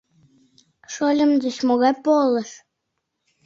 Шольым деч могай полыш?